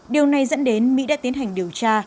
điều này dẫn đến mỹ đã tiến hành điều tra